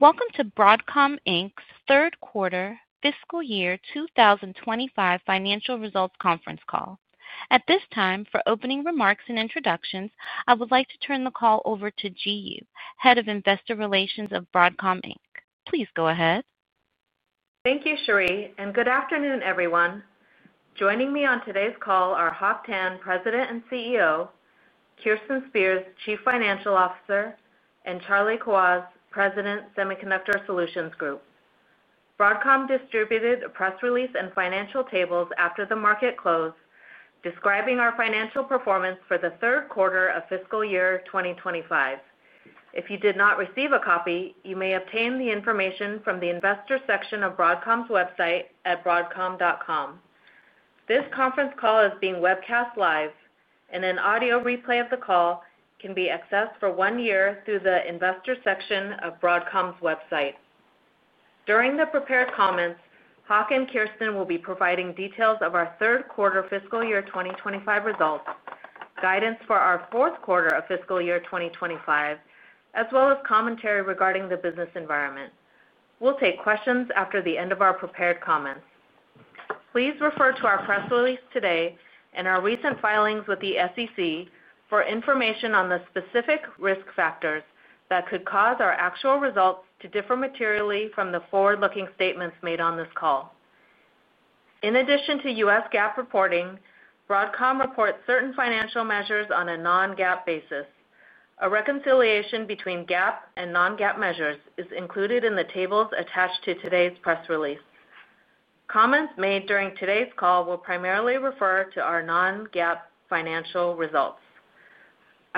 Welcome to Broadcom Inc.'s third quarter, fiscal year 2025 financial results conference call. At this time, for opening remarks and introductions, I would like to turn the call over to Ji Yoo, Head of Investor Relations of Broadcom Inc. Please go ahead. Thank you, Cheri, and good afternoon, everyone. Joining me on today's call are Hock Tan, President and CEO; Kirsten Spears, Chief Financial Officer; and Charlie Kawwas, President, Semiconductor Solutions Group. Broadcom distributed a press release and financial tables after the market close, describing our financial performance for the third quarter of fiscal year 2025. If you did not receive a copy, you may obtain the information from the Investor section of Broadcom's website at broadcom.com. This conference call is being webcast live, and an audio replay of the call can be accessed for one year through the Investor section of Broadcom's website. During the prepared comments, Hock and Kirsten will be providing details of our third quarter fiscal year 2025 results, guidance for our fourth quarter of fiscal year 2025, as well as commentary regarding the business environment. We'll take questions after the end of our prepared comments. Please refer to our press release today and our recent filings with the SEC for information on the specific risk factors that could cause our actual results to differ materially from the forward-looking statements made on this call. In addition to U.S. GAAP reporting, Broadcom reports certain financial measures on a non-GAAP basis. A reconciliation between GAAP and non-GAAP measures is included in the tables attached to today's press release. Comments made during today's call will primarily refer to our non-GAAP financial results.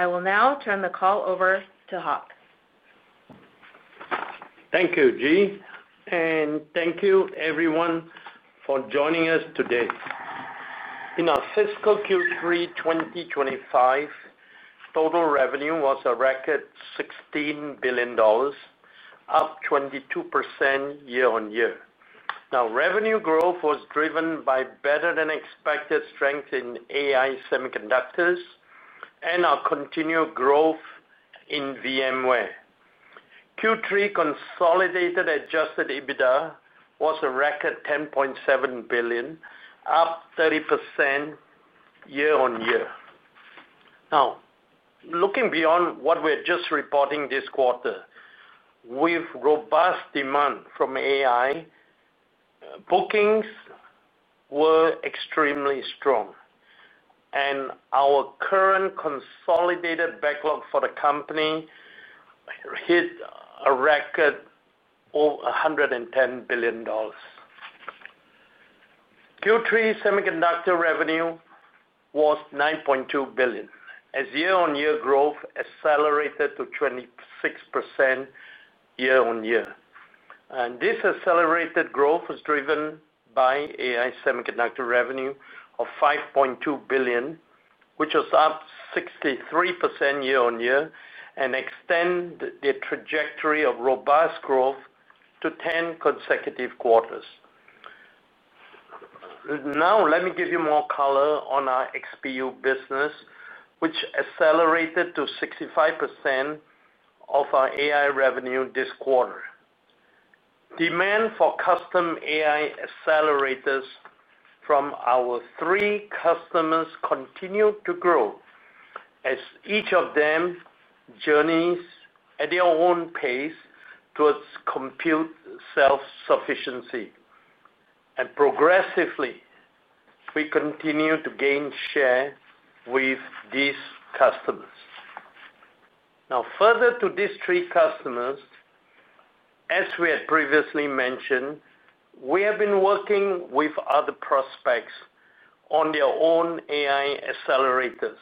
I will now turn the call over to Hock. Thank you, Ji, and thank you, everyone, for joining us today. In our fiscal Q3 2025, total revenue was a record $16 billion, up 22% year-on-year. Revenue growth was driven by better-than-expected strength in AI semiconductors and our continued growth in VMware. Q3 consolidated adjusted EBITDA was a record $10.7 billion, up 30% year-on-year. Looking beyond what we're just reporting this quarter, with robust demand from AI, bookings were extremely strong, and our current consolidated backlog for the company hit a record of $110 billion. Q3 semiconductor revenue was $9.2 billion, as year-on-year growth accelerated to 26% year-on-year. This accelerated growth was driven by AI semiconductor revenue of $5.2 billion, which was up 63% year-on-year, and extended the trajectory of robust growth to 10 consecutive quarters. Let me give you more color on our XPU business, which accelerated to 65% of our AI revenue this quarter. Demand for custom AI accelerators from our three customers continued to grow, as each of them journeys at their own pace towards compute self-sufficiency. Progressively, we continue to gain share with these customers. Further to these three customers, as we had previously mentioned, we have been working with other prospects on their own AI accelerators.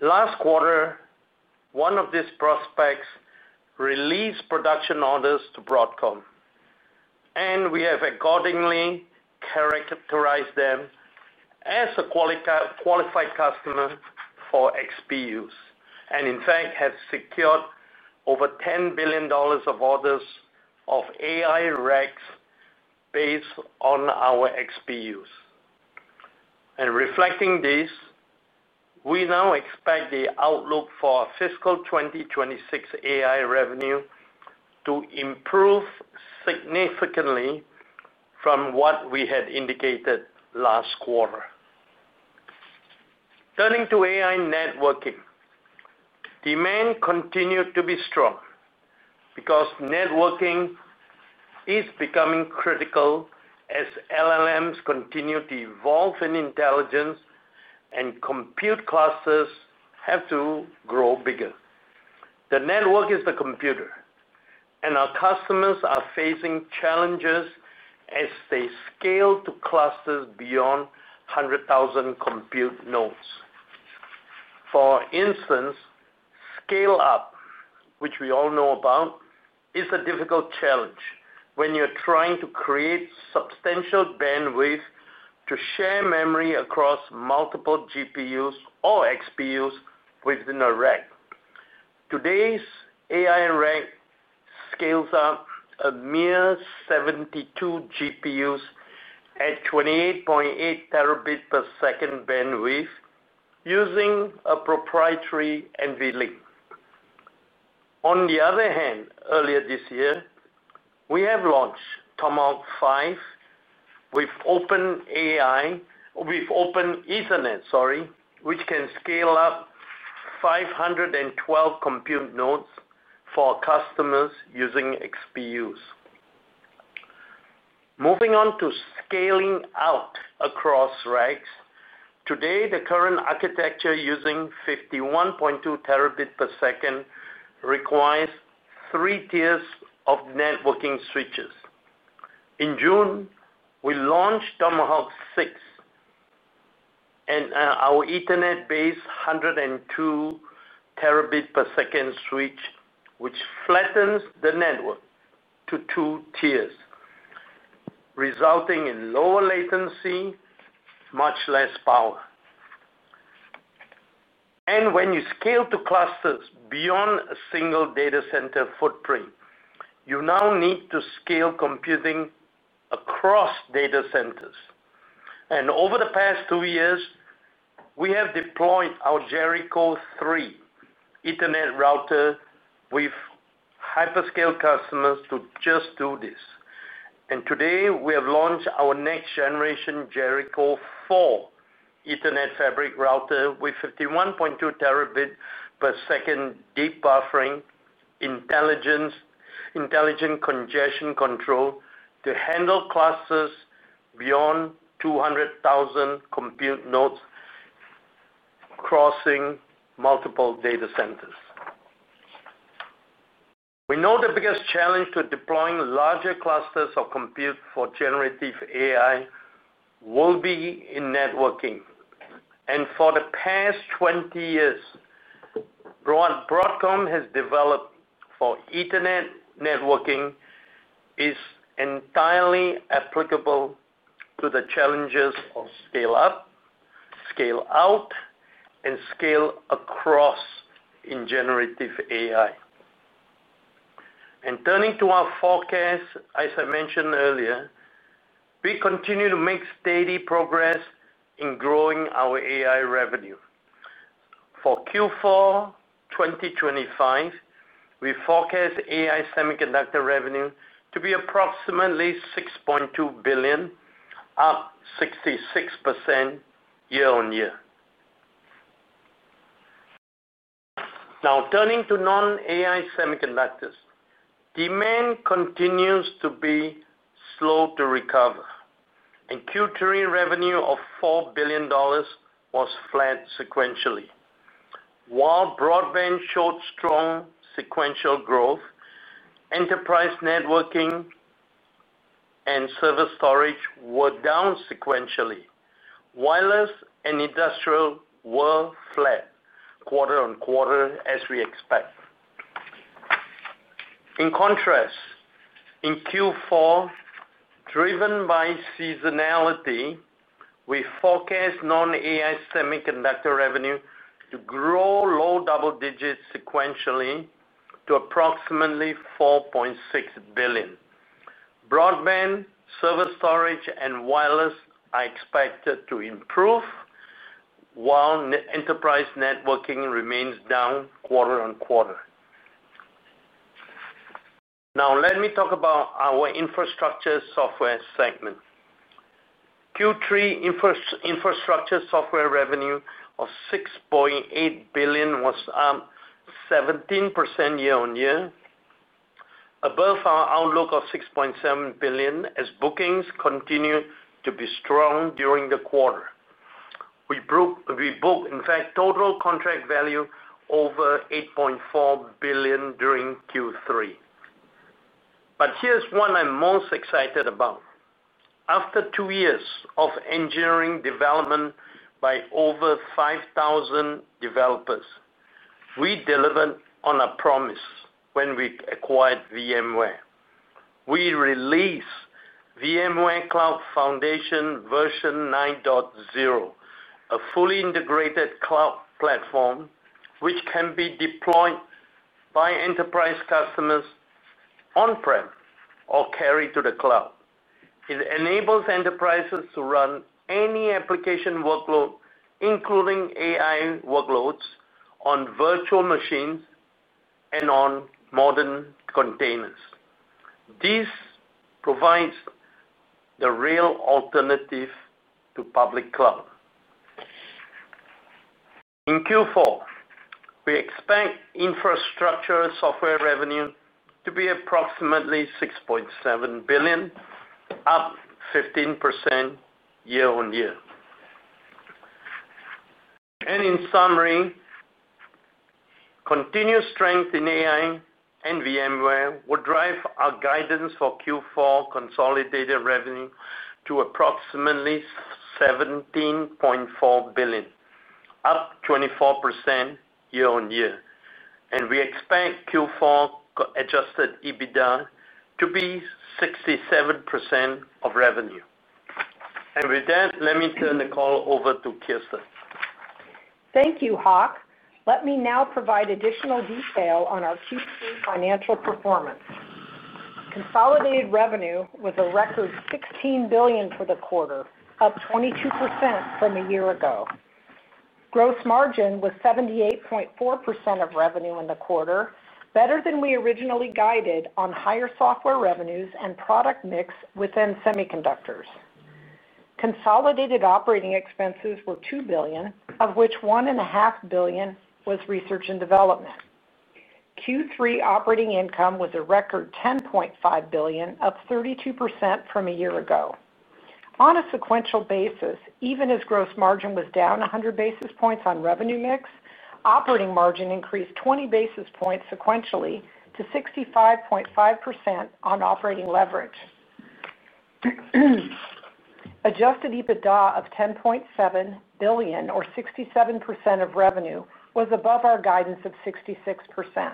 Last quarter, one of these prospects released production orders to Broadcom, and we have accordingly characterized them as a qualified customer for XPUs and, in fact, have secured over $10 billion of orders of AI racks based on our XPUs. Reflecting this, we now expect the outlook for our fiscal 2026 AI revenue to improve significantly from what we had indicated last quarter. Turning to AI networking, demand continued to be strong because networking is becoming critical as LLMs continue to evolve in intelligence, and compute clusters have to grow bigger. The network is the computer, and our customers are facing challenges as they scale to clusters beyond 100,000 compute nodes. For instance, scale-up, which we all know about, is a difficult challenge when you're trying to create substantial bandwidth to share memory across multiple GPUs or XPUs within a rack. Today's AI rack scales up a mere 72 GPUs at 28.8 Tbps bandwidth using a proprietary NVLink. On the other hand, earlier this year, we have launched Tomahawk 5 with Open Ethernet, which can scale up 512 compute nodes for customers using XPUs. Moving on to scaling out across racks, today the current architecture using 51.2 Tbps requires three tiers of networking switches. In June, we launched Tomahawk 6 and our Ethernet-based 102 Tbps switch, which flattens the network to two tiers, resulting in lower latency, much less power. When you scale to clusters beyond a single data center footprint, you now need to scale computing across data centers. Over the past two years, we have deployed our Jericho 3 Ethernet router with hyperscale customers to just do this. Today, we have launched our next-generation Jericho 4 Ethernet fabric router with 51.2 Tbps deep buffering intelligence, intelligent congestion control to handle clusters beyond 200,000 compute nodes crossing multiple data centers. We know the biggest challenge to deploying larger clusters of compute for generative AI will be in networking. For the past 20 years, what Broadcom has developed for Ethernet networking is entirely applicable to the challenges of scale-up, scale-out, and scale across in generative AI. Turning to our forecast, as I mentioned earlier, we continue to make steady progress in growing our AI revenue. For Q4 2025, we forecast AI semiconductor revenue to be approximately $6.2 billion, up 66% year-on-year. Now, turning to non-AI semiconductors, demand continues to be slow to recover, and Q3 revenue of $4 billion was flat sequentially. While broadband showed strong sequential growth, enterprise networking and server storage were down sequentially. Wireless and industrial were flat quarter on quarter, as we expect. In contrast, in Q4, driven by seasonality, we forecast non-AI semiconductor revenue to grow low double digits sequentially to approximately $4.6 billion. Broadband, server storage, and wireless are expected to improve, while enterprise networking remains down quarter on quarter. Now, let me talk about our infrastructure software segment. Q3 infrastructure software revenue of $6.8 billion was up 17% year-on-year, above our outlook of $6.7 billion as bookings continued to be strong during the quarter. We booked, in fact, total contract value over $8.4 billion during Q3. Here is what I'm most excited about. After two years of engineering development by over 5,000 developers, we delivered on a promise when we acquired VMware. We released VMware Cloud Foundation 9.0, a fully integrated cloud platform which can be deployed by enterprise customers on-prem or carried to the cloud. It enables enterprises to run any application workload, including AI workloads, on virtual machines and on modern containers. This provides the real alternative to public cloud. In Q4, we expect infrastructure software revenue to be approximately $6.7 billion, up 15% year-on-year. In summary, continued strength in AI and VMware will drive our guidance for Q4 consolidated revenue to approximately $17.4 billion, up 24% year-on-year. We expect Q4 adjusted EBITDA to be 67% of revenue. With that, let me turn the call over to Kirsten. Thank you, Hock. Let me now provide additional detail on our Q3 financial performance. Consolidated revenue was a record $16 billion for the quarter, up 22% from a year ago. Gross margin was 78.4% of revenue in the quarter, better than we originally guided on higher software revenues and product mix within semiconductors. Consolidated operating expenses were $2 billion, of which $1.5 billion was research and development. Q3 operating income was a record $10.5 billion, up 32% from a year ago. On a sequential basis, even as gross margin was down 100 basis points on revenue mix, operating margin increased 20 basis points sequentially to 65.5% on operating leverage. Adjusted EBITDA of $10.7 billion, or 67% of revenue, was above our guidance of 66%.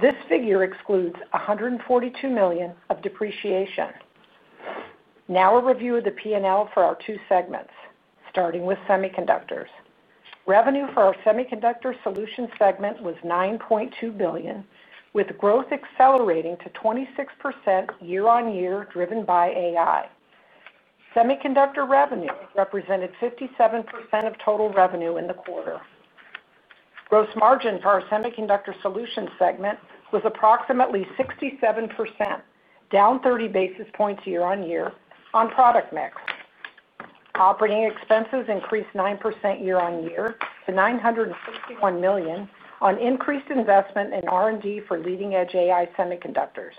This figure excludes $142 million of depreciation. Now a review of the P&L for our two segments, starting with semiconductors. Revenue for our semiconductor solution segment was $9.2 billion, with growth accelerating to 26% year-on-year, driven by AI. Semiconductor revenue represented 57% of total revenue in the quarter. Gross margin for our semiconductor solution segment was approximately 67%, down 30 basis points year-on-year on product mix. Operating expenses increased 9% year-on-year to $951 million on increased investment in R&D for leading-edge AI semiconductors.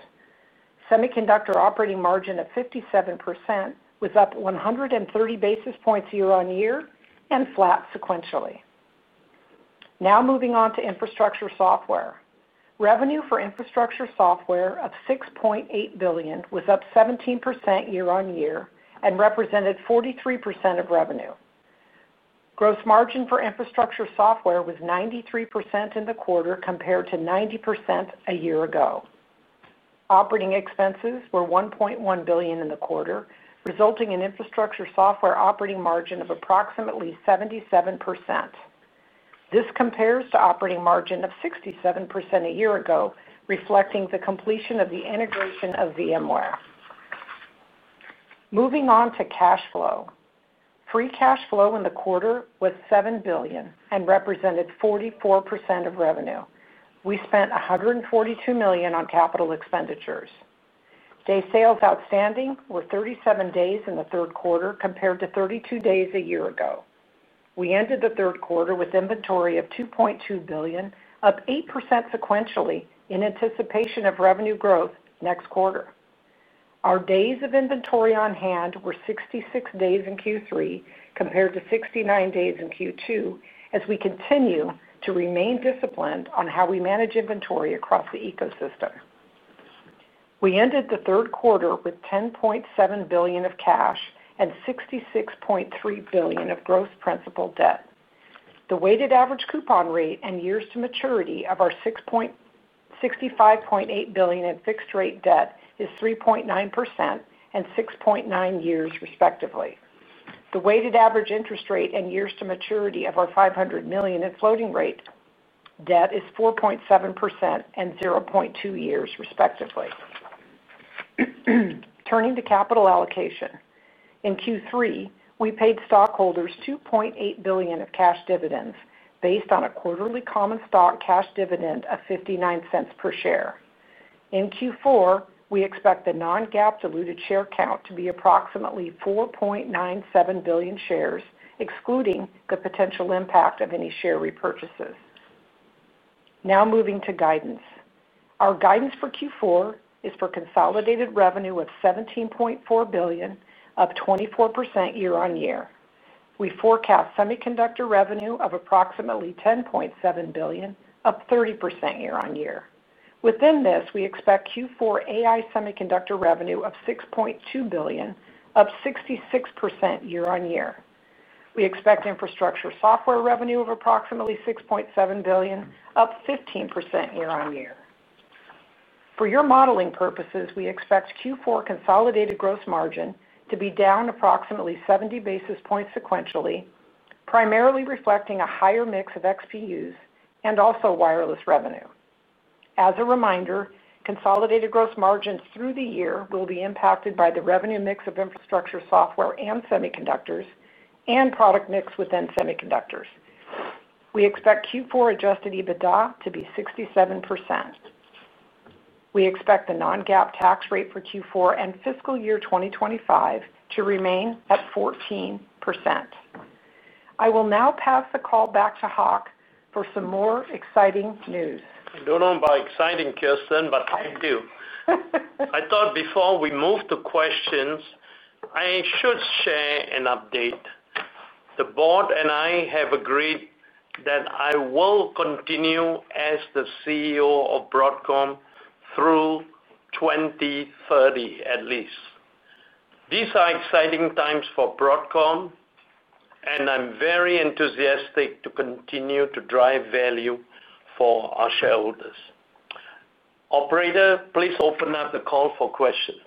Semiconductor operating margin of 57% was up 130 basis points year-on-year and flat sequentially. Now moving on to infrastructure software. Revenue for infrastructure software of $6.8 billion was up 17% year-on-year and represented 43% of revenue. Gross margin for infrastructure software was 93% in the quarter compared to 90% a year ago. Operating expenses were $1.1 billion in the quarter, resulting in infrastructure software operating margin of approximately 77%. This compares to operating margin of 67% a year ago, reflecting the completion of the integration of VMware. Moving on to cash flow. Free cash flow in the quarter was $7 billion and represented 44% of revenue. We spent $142 million on capital expenditures. Day sales outstanding were 37 days in the third quarter compared to 32 days a year ago. We ended the third quarter with inventory of $2.2 billion, up 8% sequentially in anticipation of revenue growth next quarter. Our days of inventory on hand were 66 days in Q3 compared to 69 days in Q2, as we continue to remain disciplined on how we manage inventory across the ecosystem. We ended the third quarter with $10.7 billion of cash and $66.3 billion of gross principal debt. The weighted average coupon rate and years to maturity of our $65.8 billion in fixed-rate debt is 3.9% and 6.9 years, respectively. The weighted average interest rate and years to maturity of our $500 million in floating rate debt is 4.7% and 0.2 years, respectively. Turning to capital allocation, in Q3, we paid stockholders $2.8 billion of cash dividends based on a quarterly common stock cash dividend of $0.59 per share. In Q4, we expect the non-GAAP diluted share count to be approximately 4.97 billion shares, excluding the potential impact of any share repurchases. Now moving to guidance, our guidance for Q4 is for consolidated revenue of $17.4 billion, up 24% year-on-year. We forecast semiconductor revenue of approximately $10.7 billion, up 30% year-on-year. Within this, we expect Q4 AI semiconductor revenue of $6.2 billion, up 66% year-on-year. We expect infrastructure software revenue of approximately $6.7 billion, up 15% year-on-year. For your modeling purposes, we expect Q4 consolidated gross margin to be down approximately 70 basis points sequentially, primarily reflecting a higher mix of XPUs and also wireless revenue. As a reminder, consolidated gross margins through the year will be impacted by the revenue mix of infrastructure software and semiconductors and product mix within semiconductors. We expect Q4 adjusted EBITDA to be 67%. We expect the non-GAAP tax rate for Q4 and fiscal year 2025 to remain at 14%. I will now pass the call back to Hock for some more exciting news. I don't know about exciting, Kirsten, but I do. I thought before we move to questions, I should share an update. The board and I have agreed that I will continue as the CEO of Broadcom through 2030, at least. These are exciting times for Broadcom, and I'm very enthusiastic to continue to drive value for our shareholders. Operator, please open up the call for questions.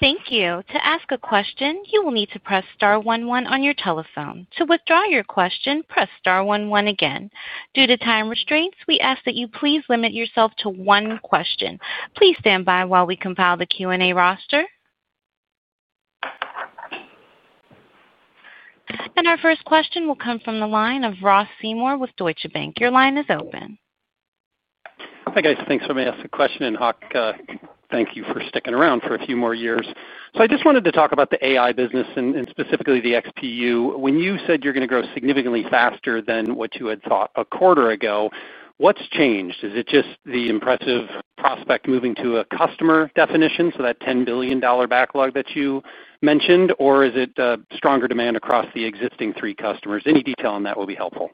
Thank you. To ask a question, you will need to press *11 on your telephone. To withdraw your question, press *11 again. Due to time restraints, we ask that you please limit yourself to one question. Please stand by while we compile the Q&A roster. Our first question will come from the line of Ross Seymore with Deutsche Bank. Your line is open. Hi, guys. Thanks for having me ask the question. Hock, thank you for sticking around for a few more years. I just wanted to talk about the AI business and specifically the XPU. When you said you're going to grow significantly faster than what you had thought a quarter ago, what's changed? Is it just the impressive prospect moving to a customer definition, that $10 billion backlog that you mentioned? Is it stronger demand across the existing three customers? Any detail on that would be helpful.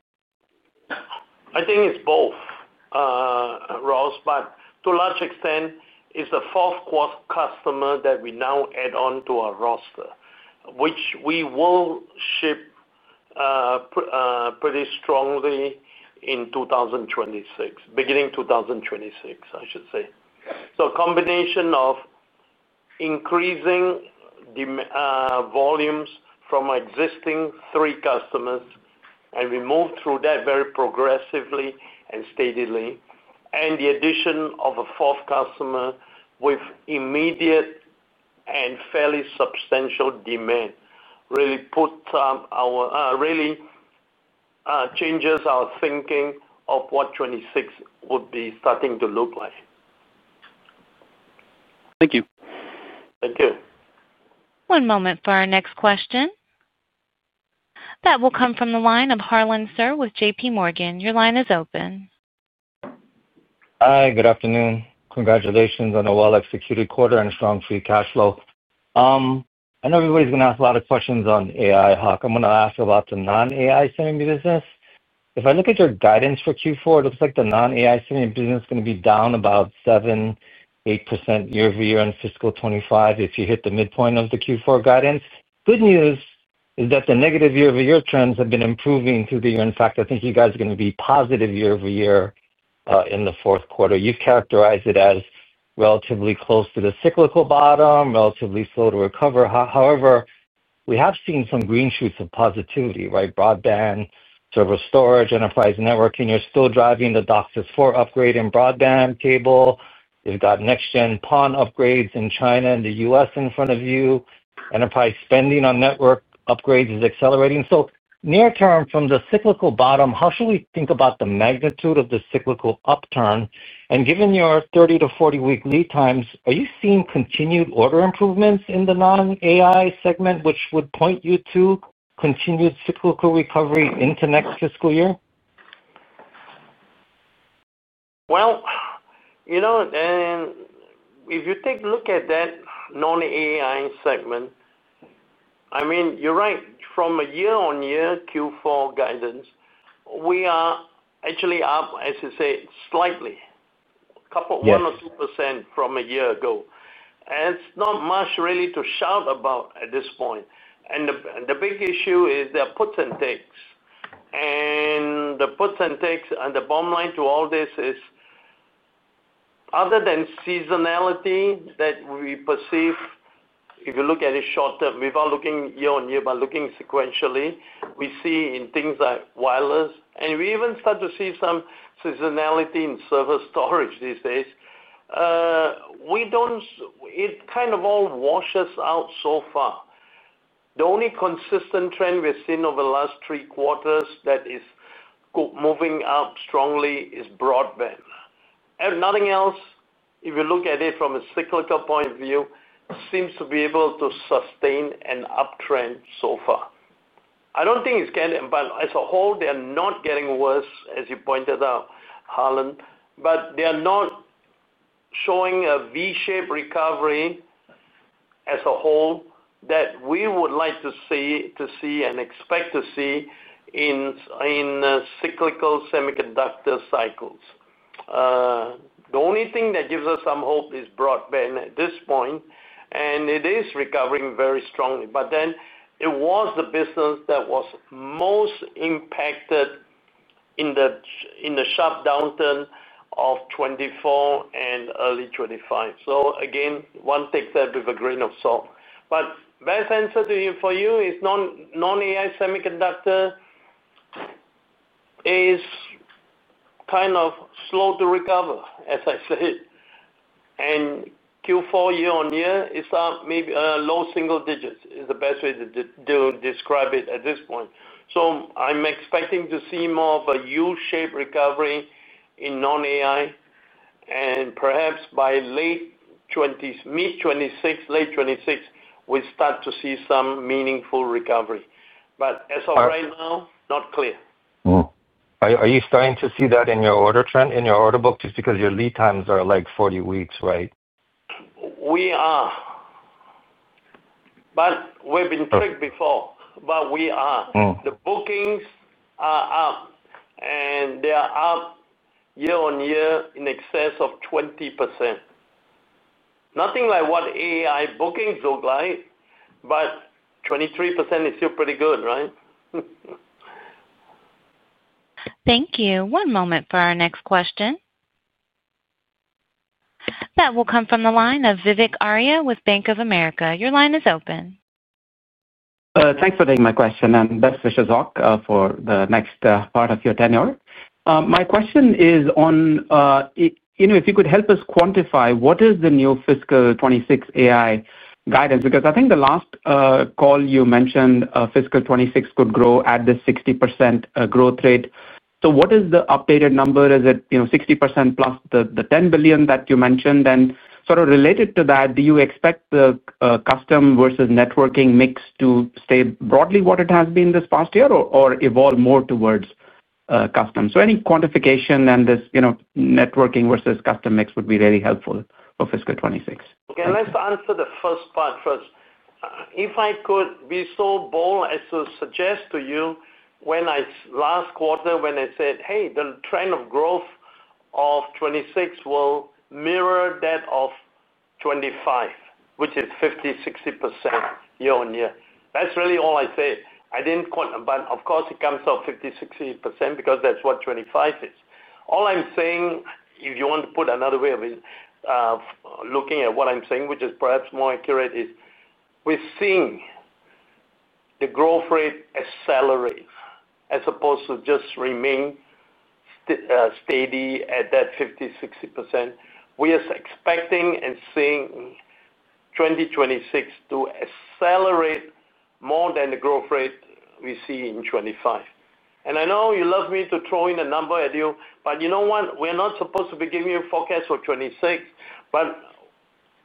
I think it's both, Ross, but to a large extent, it's the fourth customer that we now add on to our roster, which we will ship pretty strongly in 2026, beginning 2026, I should say. It's a combination of increasing volumes from our existing three customers, and we move through that very progressively and steadily. The addition of a fourth customer with immediate and fairly substantial demand really changes our thinking of what 2026 would be starting to look like. Thank you. One moment for our next question. That will come from the line of Harlan Sur with JPMorgan. Your line is open. Hi, good afternoon. Congratulations on a well-executed quarter and strong free cash flow. I know everybody's going to ask a lot of questions on AI, Hock. I'm going to ask about the non-AI semi-business. If I look at your guidance for Q4, it looks like the non-AI semi-business is going to be down about 7%, 8% year-over-year in fiscal 2025 if you hit the midpoint of the Q4 guidance. Good news is that the negative year-over-year trends have been improving through the year. In fact, I think you guys are going to be positive year-over-year in the fourth quarter. You've characterized it as relatively close to the cyclical bottom, relatively slow to recover. However, we have seen some green shoots of positivity, right? Broadband, server storage, enterprise networking, you're still driving the DOCSIS 4 upgrade in broadband cable. You've got next-gen PON upgrades in China and the U.S. in front of you. Enterprise spending on network upgrades is accelerating. Near-term, from the cyclical bottom, how should we think about the magnitude of the cyclical upturn? Given your 30 to 40-week lead times, are you seeing continued order improvements in the non-AI segment, which would point you to continued cyclical recovery into next fiscal year? If you take a look at that non-AI segment, you're right. From a year-on-year Q4 guidance, we are actually up, as you say, slightly, a couple, 1% or 2% from a year ago. It's not much really to shout about at this point. The big issue is the puts and takes. The puts and takes and the bottom line to all this is, other than seasonality that we perceive, if you look at it short term, we are looking year-on-year, but looking sequentially, we see in things like wireless, and we even start to see some seasonality in server storage these days. It kind of all washes out so far. The only consistent trend we've seen over the last three quarters that is moving up strongly is broadband. Nothing else, if you look at it from a cyclical point of view, seems to be able to sustain an uptrend so far. I don't think it's getting, but as a whole, they're not getting worse, as you pointed out, Harlan. They're not showing a V-shaped recovery as a whole that we would like to see and expect to see in cyclical semiconductor cycles. The only thing that gives us some hope is broadband at this point, and it is recovering very strongly. It was the business that was most impacted in the sharp downturn of 2024 and early 2025. One takes that with a grain of salt. The best answer for you is non-AI semiconductor is kind of slow to recover, as I said. Q4 year-on-year is up maybe low single digits is the best way to describe it at this point. I'm expecting to see more of a U-shaped recovery in non-AI, and perhaps by mid 2026, late 2026, we start to see some meaningful recovery. As of right now, not clear. Are you starting to see that in your order trend, in your order book, just because your lead times are like 40 weeks, right? We have been quick before. The bookings are up, and they're up year-on-year in excess of 20%. Nothing like what AI bookings look like, but 23% is still pretty good, right? Thank you. One moment for our next question. That will come from the line of Vivek Arya with Bank of America. Your line is open. Thanks for taking my question, and best wishes, Hock, for the next part of your tenure. My question is on, you know, if you could help us quantify what is the new fiscal 2026 AI guidance, because I think the last call you mentioned, fiscal 2026 could grow at the 60% growth rate. What is the updated number? Is it 60% plus the $10 billion that you mentioned? Related to that, do you expect the custom versus networking mix to stay broadly what it has been this past year or evolve more towards custom? Any quantification on this, you know, networking versus custom mix would be really helpful for fiscal 2026. Okay, let's answer the first part first. If I could be so bold as to suggest to you, when I last quarter, when I said, hey, the trend of growth of 2026 will mirror that of 2025, which is 50, 60% year-on-year. That's really all I said. I didn't quote, but of course, it comes up 50, 60% because that's what 2025 is. All I'm saying, if you want to put another way of looking at what I'm saying, which is perhaps more accurate, is we're seeing the growth rate accelerate as opposed to just remain steady at that 50, 60%. We are expecting and seeing 2026 to accelerate more than the growth rate we see in 2025. I know you love me to throw in a number at you, but you know what? We're not supposed to be giving you a forecast for 2026. The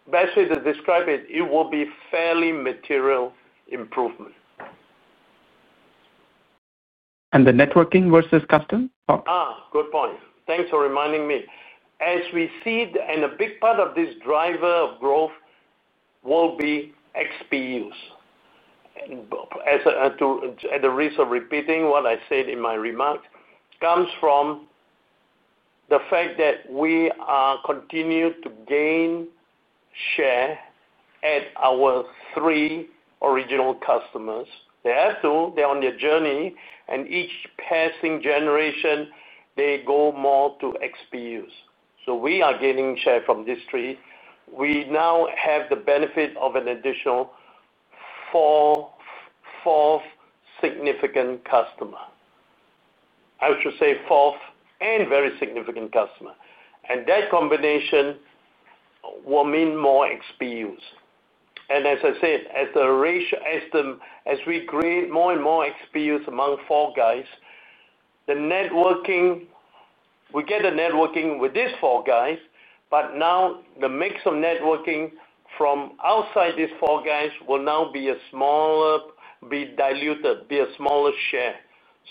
best way to describe it, it will be fairly material improvement. The networking versus custom? Good point. Thanks for reminding me. As we see, a big part of this driver of growth will be XPUs. At the risk of repeating what I said in my remarks, it comes from the fact that we continue to gain share at our three original customers. They have to, they're on their journey, and each passing generation, they go more to XPUs. We are gaining share from these three. We now have the benefit of an additional fourth significant customer. I should say fourth and very significant customer. That combination will mean more XPUs. As I said, as the ratio, as we create more and more XPUs among four guys, the networking, we get the networking with these four guys, but now the mix of networking from outside these four guys will now be a smaller, be diluted, be a smaller share.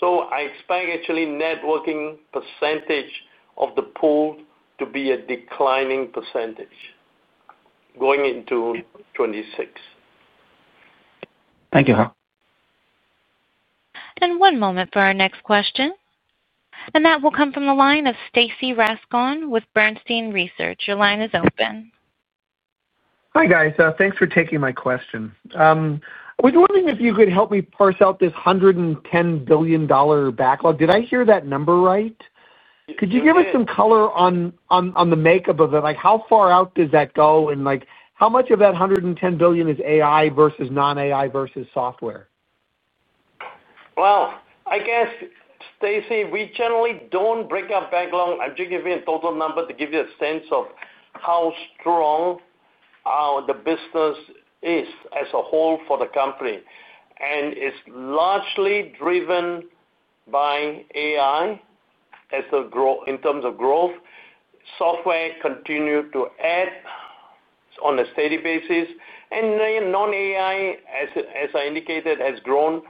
I expect actually networking percentage of the pool to be a declining percentage going into 2026. Thank you, Hock. One moment for our next question. That will come from the line of Stacy Rasgon with Bernstein Research. Your line is open. Hi, guys. Thanks for taking my question. I was wondering if you could help me parse out this $110 billion backlog. Did I hear that number right? Could you give us some color on the makeup of that? How far out does that go? How much of that $110 billion is AI versus non-AI versus software? Stacy, we generally don't break our backlog. I'm just giving you a total number to give you a sense of how strong the business is as a whole for the company. It's largely driven by AI in terms of growth. Software continues to add on a steady basis, and non-AI, as I indicated, has grown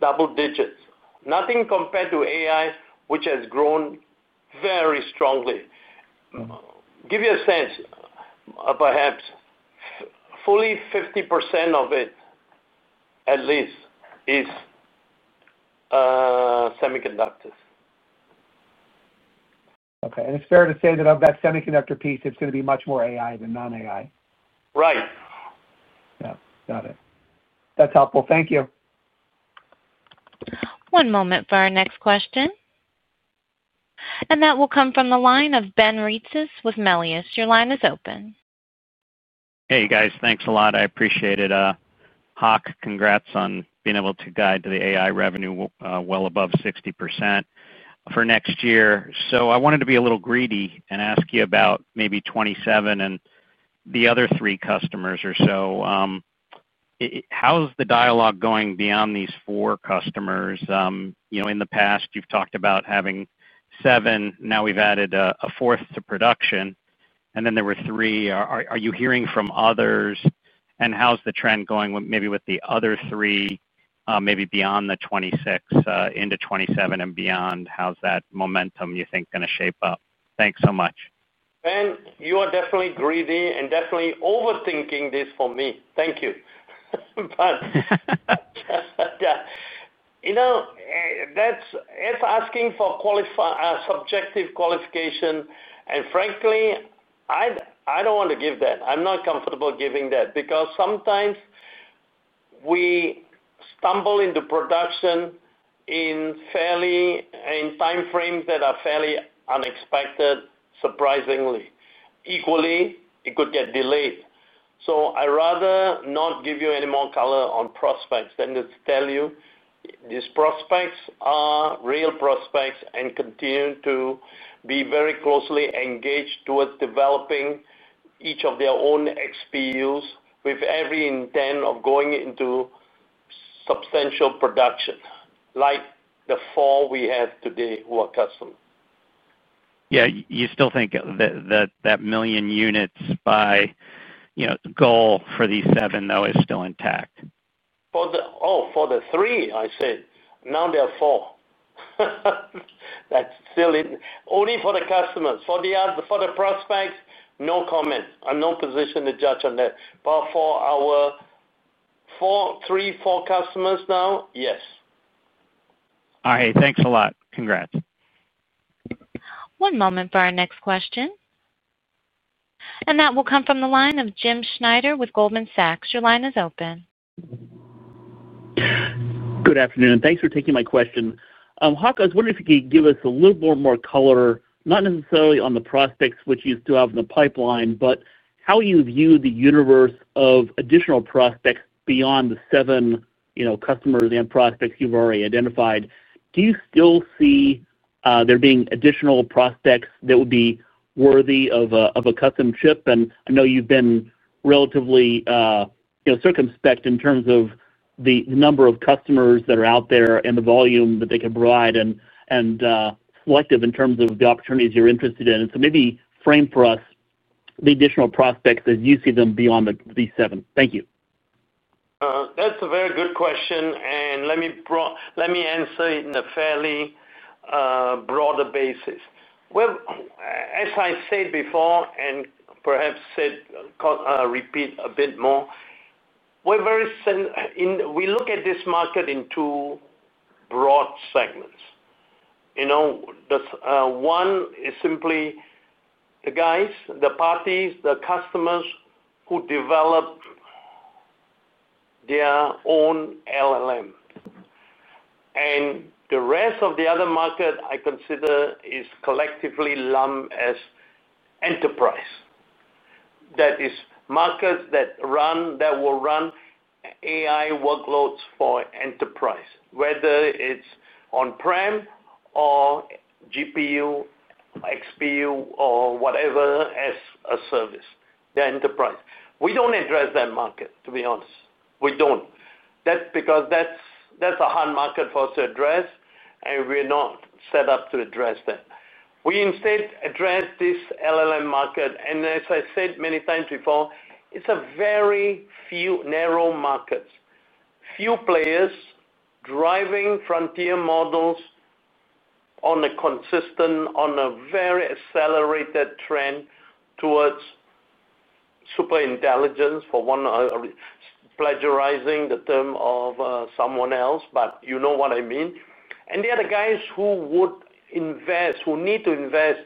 double digits. Nothing compared to AI, which has grown very strongly. Give you a sense, perhaps fully 50% of it at least is semiconductors. Okay. It's fair to say that of that semiconductor piece, it's going to be much more AI than non-AI. Right. Yeah, got it. That's helpful. Thank you. One moment for our next question. That will come from the line of Ben Reitzes with Melius. Your line is open. Hey, guys. Thanks a lot. I appreciate it. Hock, congrats on being able to guide to the AI revenue well above 60% for next year. I wanted to be a little greedy and ask you about maybe 2027 and the other three customers or so. How's the dialogue going beyond these four customers? In the past, you've talked about having seven. Now we've added a fourth to production, and then there were three. Are you hearing from others? How's the trend going maybe with the other three, maybe beyond the 2026, into 2027 and beyond? How's that momentum, you think, going to shape up? Thanks so much. Ben, you are definitely greedy and definitely overthinking this for me. Thank you. That's asking for subjective qualification. Frankly, I don't want to give that. I'm not comfortable giving that because sometimes we stumble into production in timeframes that are fairly unexpected, surprisingly. Equally, it could get delayed. I'd rather not give you any more color on prospects than to tell you these prospects are real prospects and continue to be very closely engaged towards developing each of their own XPUs with every intent of going into substantial production, like the four we have today who are custom. Yeah, you still think that million units by, you know, goal for these seven, though, is still intact? Oh, for the three, I said. Now they're four. That's still in only for the customers. For the prospects, no comment. I'm not positioned to judge on that. For our three, four customers now, yes. All right. Thanks a lot. Congrats. One moment for our next question. That will come from the line of Jim Schneider with Goldman Sachs. Your line is open. Good afternoon. Thanks for taking my question. Hock, I was wondering if you could give us a little bit more color, not necessarily on the prospects which you still have in the pipeline, but how you view the universe of additional prospects beyond the seven customers and prospects you've already identified. Do you still see there being additional prospects that would be worthy of a custom chip? I know you've been relatively circumspect in terms of the number of customers that are out there and the volume that they can provide and selective in terms of the opportunities you're interested in. Maybe frame for us the additional prospects as you see them beyond the seven. Thank you. That's a very good question. Let me answer it in a fairly broader basis. As I said before, and perhaps repeat a bit more, we look at this market in two broad segments. One is simply the guys, the parties, the customers who develop their own LLM. The rest of the other market I consider is collectively lumped as enterprise. That is, markets that run, that will run AI workloads for enterprise, whether it's on-prem or GPU, XPU, or whatever as a service, the enterprise. We don't address that market, to be honest. We don't. That's because that's a hard market for us to address, and we're not set up to address that. We instead address this LLM market. As I said many times before, it's a very few narrow markets, few players driving frontier models on a consistent, on a very accelerated trend towards superintelligence for one, plagiarizing the term of someone else, but you know what I mean. There are the other guys who would invest, who need to invest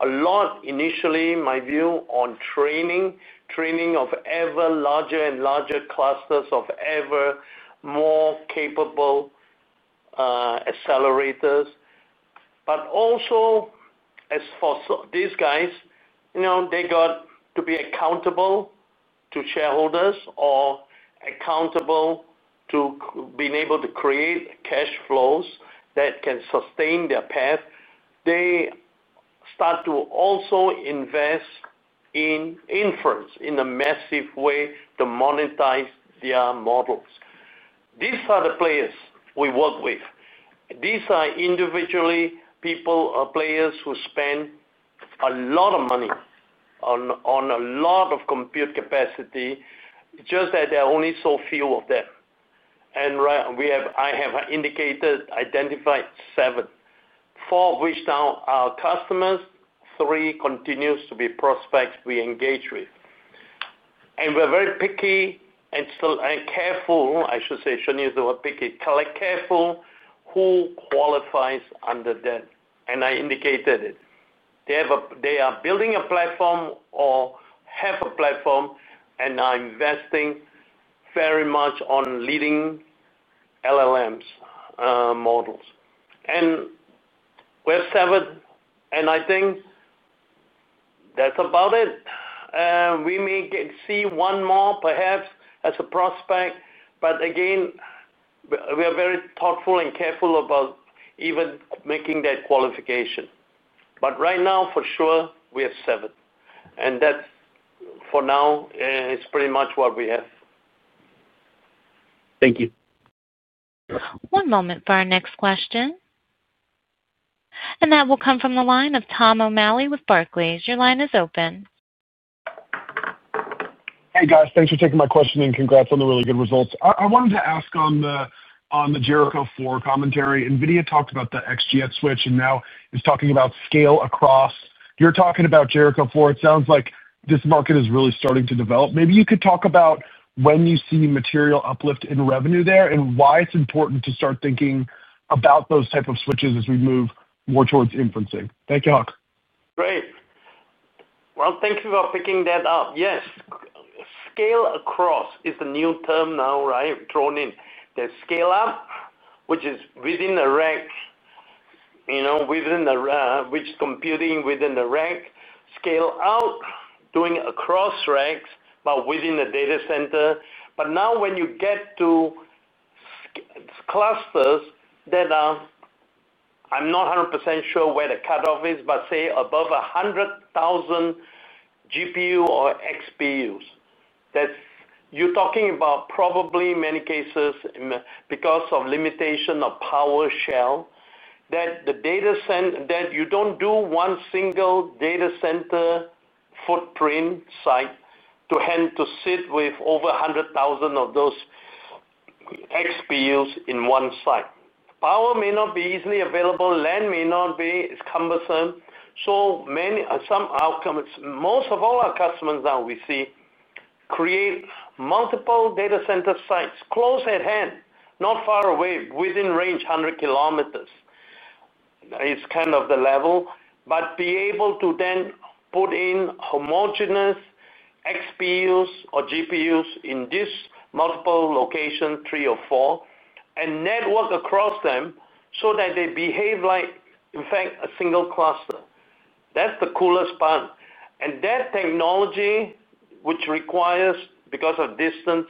a lot initially, my view, on training, training of ever larger and larger clusters of ever more capable accelerators. Also, as for these guys, they got to be accountable to shareholders or accountable to being able to create cash flows that can sustain their path. They start to also invest in inference in a massive way to monetize their models. These are the players we work with. These are individually people or players who spend a lot of money on a lot of compute capacity. It's just that there are only so few of them. I have indicated, identified seven, four of which now are customers, three continue to be prospects we engage with. We're very careful, I should say, shouldn't use the word picky, careful who qualifies under them. I indicated it. They are building a platform or have a platform, and are investing very much on leading LLMs models. We have seven, and I think that's about it. We may see one more, perhaps, as a prospect. Again, we are very thoughtful and careful about even making that qualification. Right now, for sure, we have seven. That's for now, it's pretty much what we have. Thank you. One moment for our next question. That will come from the line of Tom O'Malley with Barclays. Your line is open. Hey, guys. Thanks for taking my question and congrats on the really good results. I wanted to ask on the Jericho 4 commentary. NVIDIA talked about the XGS switch and now is talking about scale across. You're talking about Jericho 4. It sounds like this market is really starting to develop. Maybe you could talk about when you see material uplift in revenue there and why it's important to start thinking about those types of switches as we move more towards inferencing. Thank you, Hock. Great. Thanks for picking that up. Yes, scale across is the new term now, right, thrown in. There's scale-up, which is within a rack, you know, within a rack, which is computing within the rack. Scale-out, doing across racks, but within a data center. Now when you get to clusters that are, I'm not 100% sure where the cutoff is, but say above 100,000 GPU or XPUs, that's you're talking about probably many cases because of limitation of power shell that the data center that you don't do one single data center footprint site to hand to sit with over 100,000 of those XPUs in one site. Power may not be easily available. Land may not be. It's cumbersome. Many, some outcomes, most of all our customers now we see create multiple data center sites close at hand, not far away, within range 100 kilometers. It's kind of the level, but be able to then put in homogeneous XPUs or GPUs in this multiple location, three or four, and network across them so that they behave like, in fact, a single cluster. That's the coolest part. That technology, which requires, because of distance,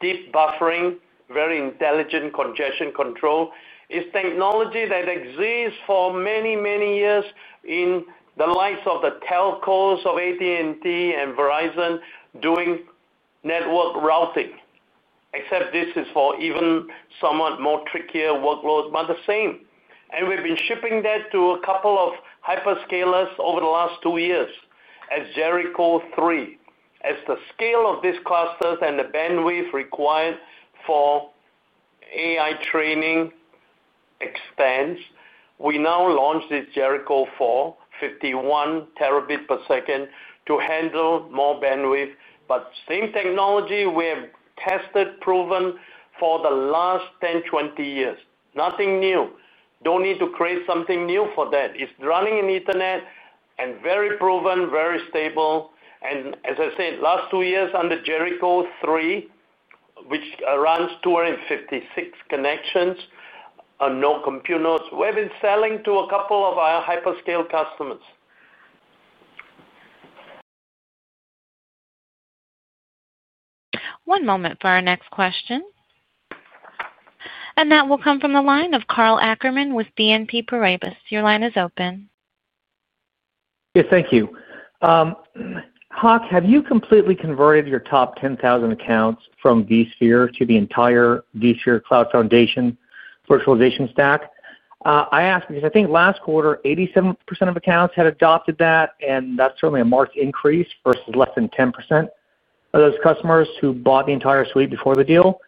deep buffering, very intelligent congestion control, is technology that exists for many, many years in the likes of the telcos of AT&T and Verizon doing network routing, except this is for even somewhat more trickier workload, but the same. We've been shipping that to a couple of hyperscalers over the last two years as Jericho 3. As the scale of these clusters and the bandwidth required for AI training extends, we now launched this Jericho 4, 51 Tbps to handle more bandwidth. Same technology we have tested, proven for the last 10, 20 years. Nothing new. Don't need to create something new for that. It's running in Ethernet and very proven, very stable. As I said, last two years under Jericho 3, which runs 256 connections on no compute nodes, we've been selling to a couple of our hyperscale customers. One moment for our next question. That will come from the line of Karl Ackerman with BNP Paribas. Your line is open. Yeah, thank you. Hock, have you completely converted your top 10,000 accounts from vSphere to the entire [VMware] Cloud Foundation virtualization stack? I ask because I think last quarter, 87% of accounts had adopted that, and that's certainly a marked increase versus less than 10% of those customers who bought the entire suite before the deal.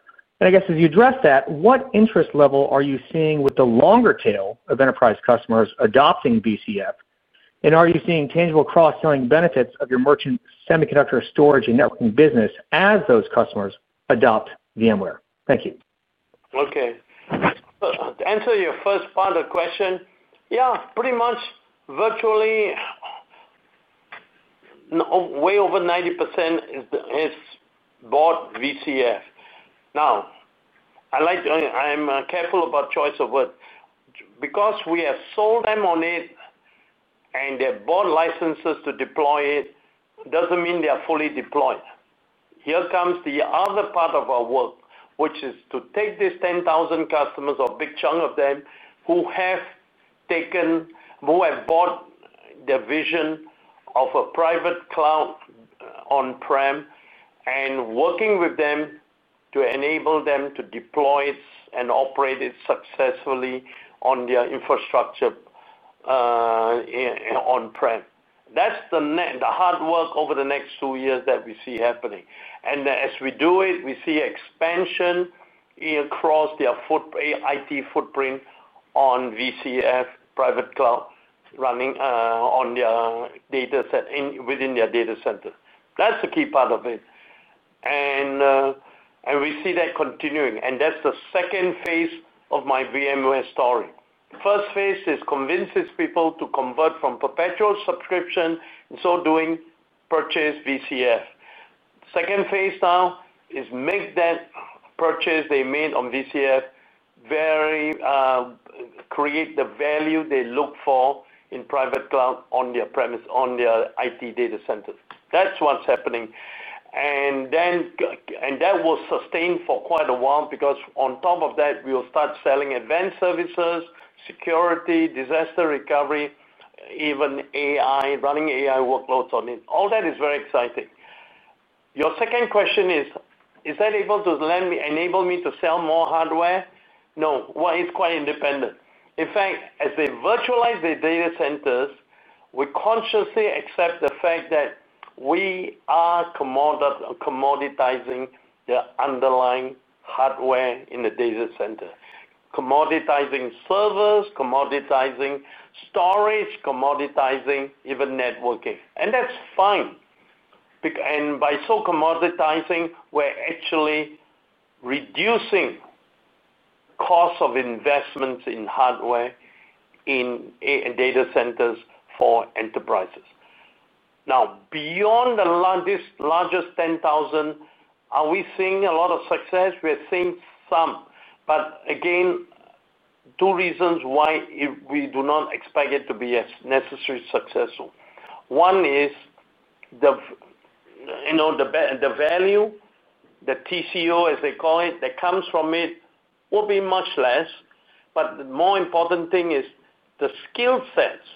As you address that, what interest level are you seeing with the longer tail of enterprise customers adopting VCF? Are you seeing tangible cross-selling benefits of your merchant semiconductor storage and networking business as those customers adopt VMware? Thank you. Okay. To answer your first part of the question, yeah, pretty much virtually, way over 90% has bought VCF. Now, I'm careful about the choice of words. Because we have sold them on it and they've bought licenses to deploy it, it doesn't mean they're fully deployed. Here comes the other part of our work, which is to take these 10,000 customers or a big chunk of them who have taken, who have bought the vision of a private cloud on-prem and working with them to enable them to deploy it and operate it successfully on their infrastructure on-prem. That's the hard work over the next two years that we see happening. As we do it, we see expansion across their IT footprint on VCF, private cloud running on their data set within their data center. That's the key part of it. We see that continuing. That's the second phase of my VMware story. The first phase is convince these people to convert from perpetual subscription and so doing purchase VCF. The second phase now is make that purchase they made on VCF create the value they look for in private cloud on their premise, on their IT data center. That's what's happening. That will sustain for quite a while because on top of that, we will start selling advanced services, security, disaster recovery, even AI, running AI workloads on it. All that is very exciting. Your second question is, is that able to enable me to sell more hardware? No, it's quite independent. In fact, as they virtualize their data centers, we consciously accept the fact that we are commoditizing the underlying hardware in the data center, commoditizing servers, commoditizing storage, commoditizing even networking. That's fine. By so commoditizing, we're actually reducing the cost of investments in hardware in data centers for enterprises. Now, beyond the largest 10,000, are we seeing a lot of success? We're seeing some. Again, two reasons why we do not expect it to be necessarily successful. One is the value, the TCO, as they call it, that comes from it will be much less. The more important thing is the skill sets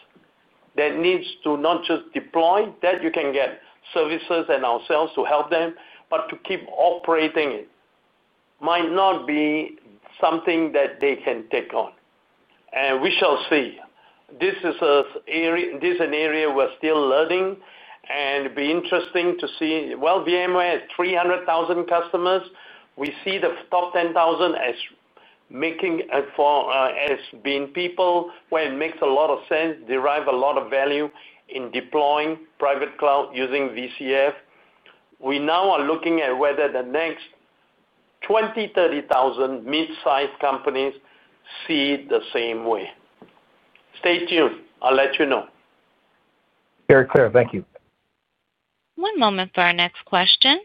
that need to not just deploy that you can get services and ourselves to help them, but to keep operating it might not be something that they can take on. We shall see. This is an area we're still learning, and it'll be interesting to see. VMware has 300,000 customers. We see the top 10,000 as making for as being people where it makes a lot of sense, derive a lot of value in deploying private cloud using VCF. We now are looking at whether the next 20,000, 30,000 mid-sized companies see the same way. Stay tuned. I'll let you know. Very clear. Thank you. One moment for our next question.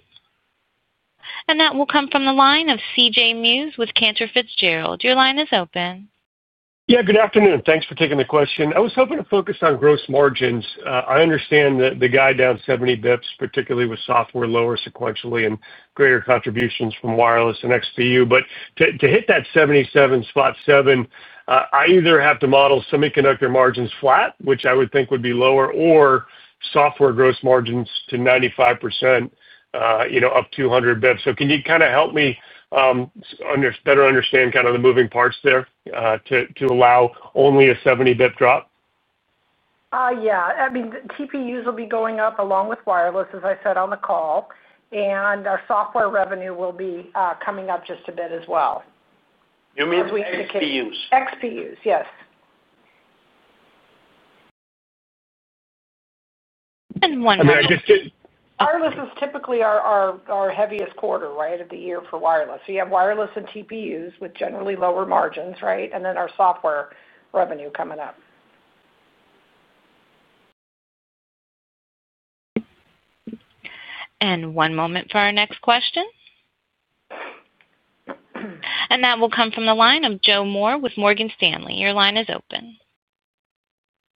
That will come from the line of CJ Muse with Cantor Fitzgerald. Your line is open. Yeah, good afternoon. Thanks for taking the question. I was hoping to focus on gross margins. I understand that they are down 70 bps, particularly with software lower sequentially and greater contributions from wireless and XPU. To hit that 77.7%, I either have to model semiconductor margins flat, which I would think would be lower, or software gross margins to 95%, up 200 bps. Can you help me better understand the moving parts there to allow only a 70 bp drop? Yeah. I mean, the TPUs will be going up along with wireless, as I said on the call. Software revenue will be coming up just a bit as well. You mean TPUs? XPUs, yes. Wireless is typically our heaviest quarter, right, of the year for wireless. You have wireless and TPUs with generally lower margins, right, and then our software revenue coming up. One moment for our next question. That will come from the line of Joe Moore with Morgan Stanley. Your line is open.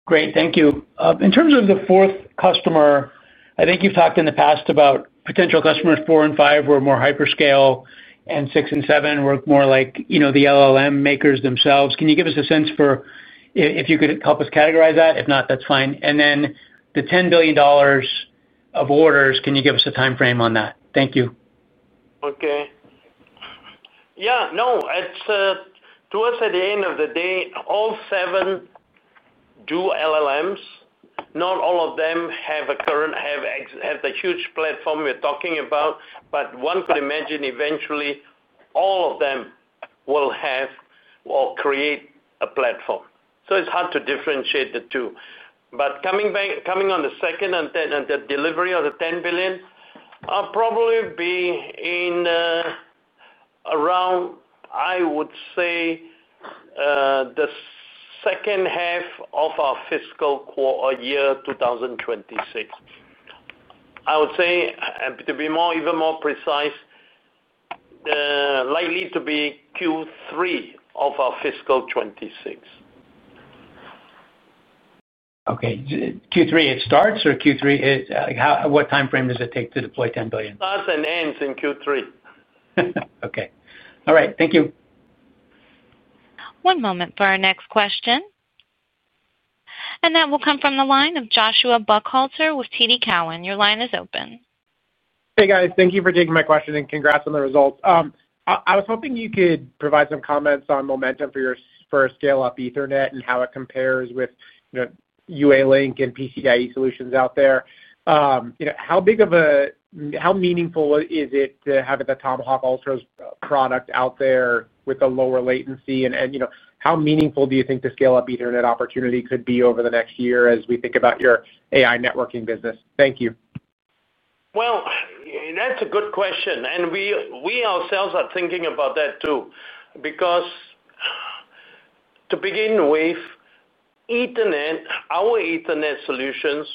Great. Thank you. In terms of the fourth customer, I think you've talked in the past about potential customers four and five were more hyperscale, and six and seven were more like, you know, the LLM makers themselves. Can you give us a sense for if you could help us categorize that? If not, that's fine. The $10 billion of orders, can you give us a timeframe on that? Thank you. Okay. Yeah. No, it's towards the end of the day, all seven do LLMs. Not all of them have a current, have the huge platform we're talking about. One could imagine eventually all of them will have or create a platform. It's hard to differentiate the two. Coming on the second and third delivery of the $10 billion, I'll probably be in around, I would say, the second half of our fiscal year 2026. I would say, to be even more precise, likely to be Q3 of our fiscal 2026. Q3, it starts, or Q3, what timeframe does it take to deploy $10 billion? It starts and ends in Q3. Okay. All right. Thank you. One moment for our next question. That will come from the line of Joshua Buchalter with TD Cowen. Your line is open. Hey, guys. Thank you for taking my question and congrats on the results. I was hoping you could provide some comments on momentum for scale-up Ethernet and how it compares with, you know, UA Link and PCIe solutions out there. How big of a, how meaningful is it to have the Tomahawk Ultras product out there with a lower latency? How meaningful do you think the scale-up Ethernet opportunity could be over the next year as we think about your AI networking business? Thank you. That's a good question. We ourselves are thinking about that too, because to begin with, Ethernet, our Ethernet solutions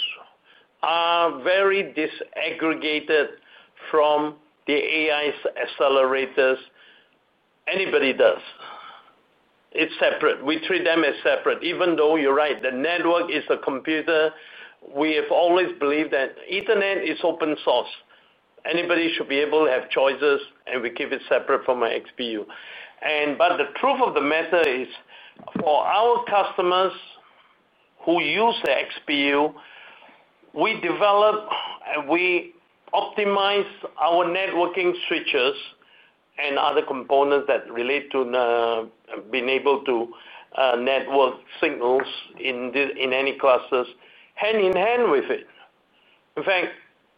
are very disaggregated from the AI accelerators anybody does. It's separate. We treat them as separate. Even though you're right, the network is the computer. We have always believed that Ethernet is open source. Anybody should be able to have choices, and we keep it separate from our XPU. The truth of the matter is, for our customers who use the XPU, we develop and we optimize our networking switches and other components that relate to being able to network signals in any clusters hand in hand with it. In fact,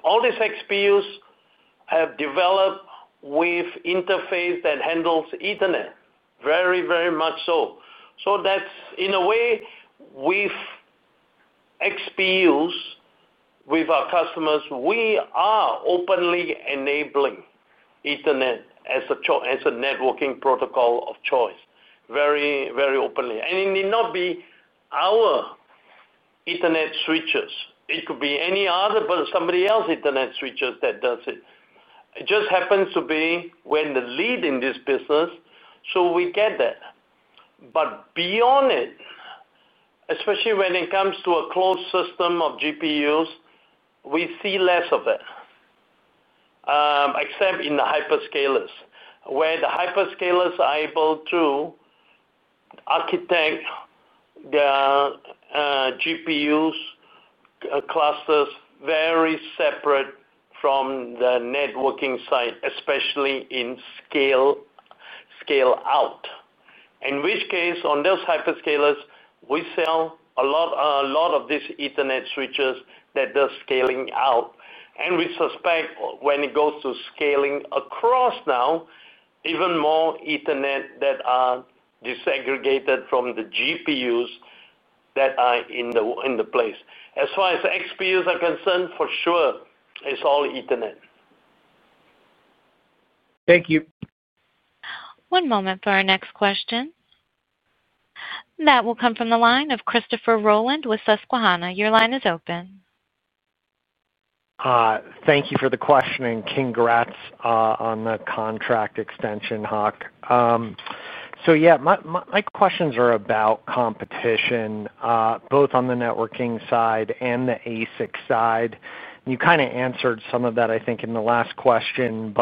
all these XPUs have developed with interface that handles Ethernet, very, very much so. In a way, with XPUs, with our customers, we are openly enabling Ethernet as a networking protocol of choice, very, very openly. It need not be our Ethernet switches. It could be any other, but somebody else's Ethernet switcher that does it. It just happens to be we're in the lead in this business, so we get that. Beyond it, especially when it comes to a closed system of GPUs, we see less of it, except in the hyperscalers, where the hyperscalers are able to architect the GPUs clusters very separate from the networking side, especially in scale-out. In which case, on those hyperscalers, we sell a lot of these Ethernet switches that do scaling out. We suspect when it goes to scaling across now, even more Ethernet that are disaggregated from the GPUs that are in the place. As far as XPUs are concerned, for sure, it's all Ethernet. Thank you. One moment for our next question. That will come from the line of Christopher Rolland with Susquehanna. Your line is open. Thank you for the question and congrats on the contract extension, Hock. My questions are about competition, both on the networking side and the ASIC side. You kind of answered some of that, I think, in the last question.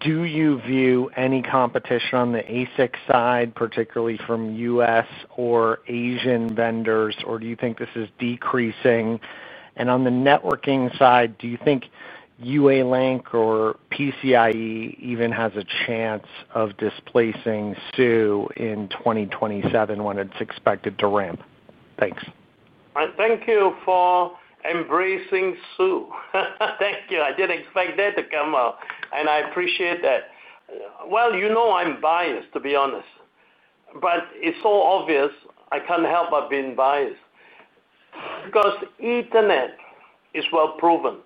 Do you view any competition on the ASIC side, particularly from U.S. or Asian vendors, or do you think this is decreasing? On the networking side, do you think UA Link or PCIe even has a chance of displacing SUE in 2027 when it's expected to ramp? Thanks. Thank you for embracing SUE. Thank you. I didn't expect that to come out, and I appreciate that. You know I'm biased, to be honest. It's so obvious I can't help but being biased because Ethernet is well proven.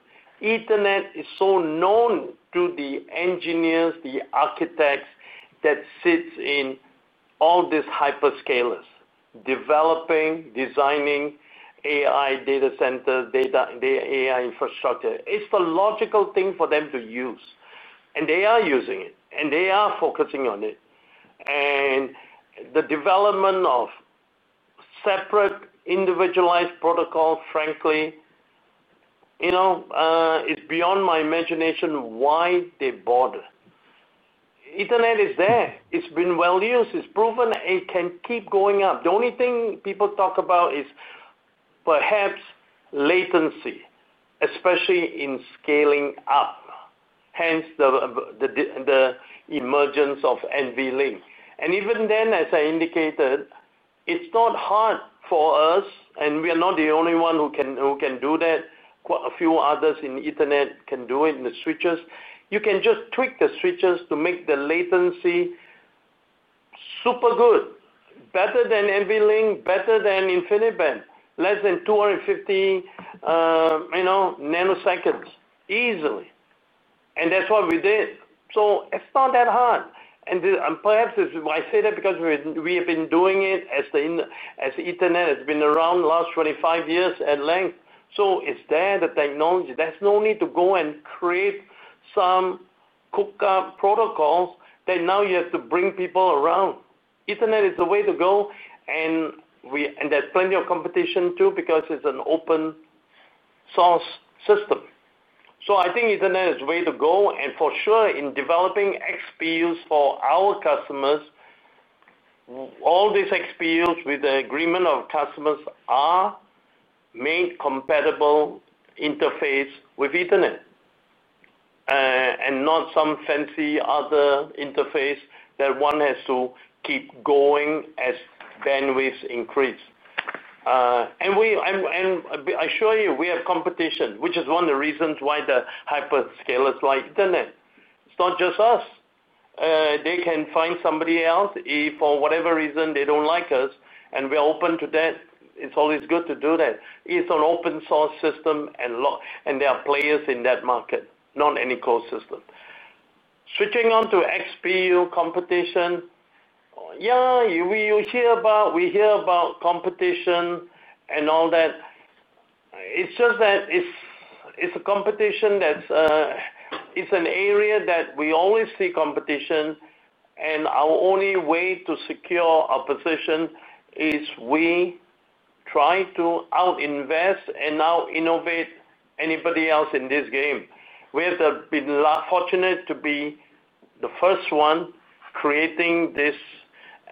Ethernet is so known to the engineers, the architects that sit in all these hyperscalers developing, designing AI data center, data AI infrastructure. It's the logical thing for them to use. They are using it, and they are focusing on it. The development of separate individualized protocols, frankly, it's beyond my imagination why they bought it. Ethernet is there. It's been well used. It's proven it can keep going up. The only thing people talk about is perhaps latency, especially in scaling up, hence the emergence of NVLink. Even then, as I indicated, it's not hard for us, and we are not the only ones who can do that. Quite a few others in Ethernet can do it in the switches. You can just tweak the switches to make the latency super good, better than NVLink, better than Infiniband, less than 250 ns easily. That's what we did. It's not that hard. Perhaps I say that because we have been doing it as the Ethernet has been around the last 25 years at length. It's there, the technology. There's no need to go and create some cooked-up protocols that now you have to bring people around. Ethernet is the way to go. There's plenty of competition too because it's an open-source system. I think Ethernet is the way to go. For sure, in developing XPUs for our customers, all these XPUs with the agreement of customers are made compatible interface with Ethernet and not some fancy other interface that one has to keep going as bandwidth increases. I assure you, we have competition, which is one of the reasons why the hyperscalers like Ethernet. It's not just us. They can find somebody else if for whatever reason they don't like us, and we're open to that. It's always good to do that. It's an open-source system, and there are players in that market, not any closed system. Switching on to XPU competition, we hear about competition and all that. It's just that it's a competition that's an area that we always see competition. Our only way to secure our position is we try to out-invest and out-innovate anybody else in this game. We have been fortunate to be the first one creating this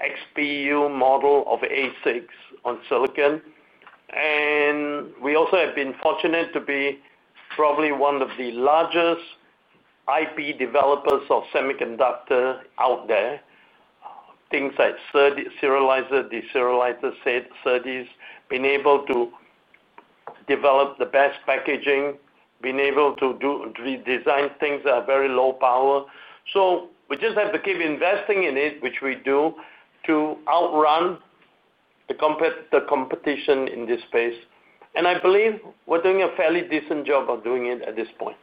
XPU model of ASICs on silicon. We also have been fortunate to be probably one of the largest IP developers of semiconductor out there. Things like serializer, deserializer sets, SERDES, being able to develop the best packaging, being able to design things that are very low power. We just have to keep investing in it, which we do, to outrun the competition in this space. I believe we're doing a fairly decent job of doing it at this point.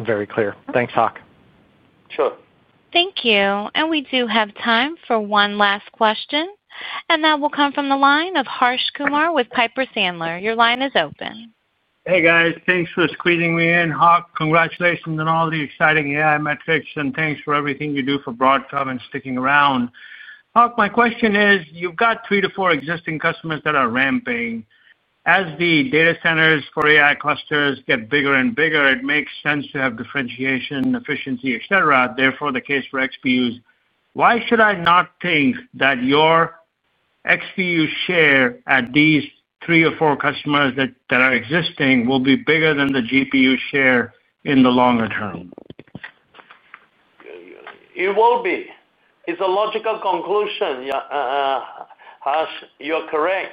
Very clear. Thanks, Hock. Sure. Thank you. We do have time for one last question. That will come from the line of Harsh Kumar with Piper Sandler. Your line is open. Hey, guys. Thanks for squeezing me in, Hock. Congratulations on all the exciting AI metrics, and thanks for everything you do for Broadcom and sticking around. Hock, my question is, you've got three to four existing customers that are ramping. As the data centers for AI clusters get bigger and bigger, it makes sense to have differentiation, efficiency, et cetera. Therefore, the case for XPUs. Why should I not think that your XPU share at these three or four customers that are existing will be bigger than the GPU share in the longer term? It will be. It's a logical conclusion. Hass, you're correct.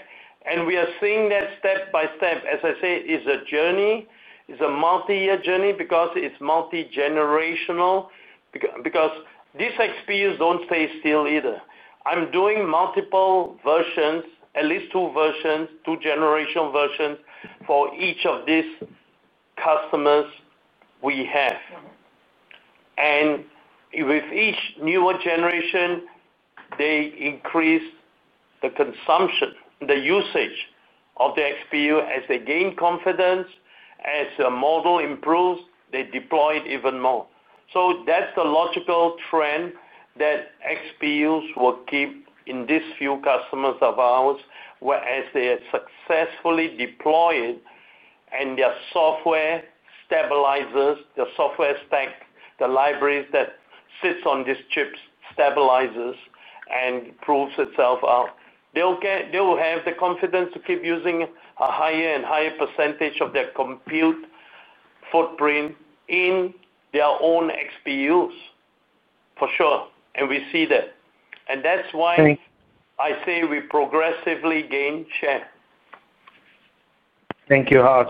We are seeing that step by step. As I say, it's a journey. It's a multi-year journey because it's multigenerational, because these XPUs don't stay still either. I'm doing multiple versions, at least two versions, two-generational versions for each of these customers we have. With each newer generation, they increase the consumption, the usage of the XPU. As they gain confidence, as the model improves, they deploy it even more. That's the logical trend that XPUs will keep in these few customers of ours, where they are successfully deployed and their software stabilizes, the software stack, the library that sits on these chips stabilizes and proves itself out. They will have the confidence to keep using a higher and higher % of their compute footprint in their own XPUs, for sure. We see that. That's why I say we progressively gain share. Thank you, Hock.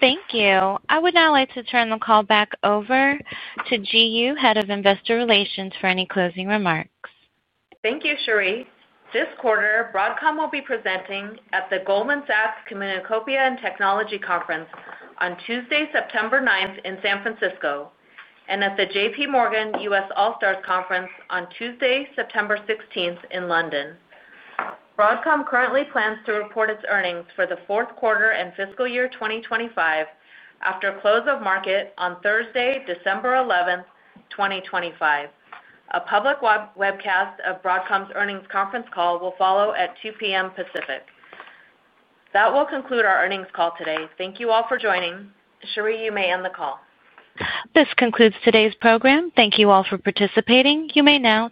Thank you. I would now like to turn the call back over to Ji Yoo, Head of Investor Relations, for any closing remarks. Thank you, Cheri. This quarter, Broadcom will be presenting at the Goldman Sachs Communicopia and Technology Conference on Tuesday, September 9, in San Francisco, and at the JPMorgan US All-Stars Conference on Tuesday, September 16, in London. Broadcom currently plans to report its earnings for the fourth quarter and fiscal year 2025 after close of market on Thursday, December 11, 2025. A public webcast of Broadcom's earnings conference call will follow at 2:00 P.M. Pacific. That will conclude our earnings call today. Thank you all for joining. Cheri, you may end the call. This concludes today's program. Thank you all for participating. You may now.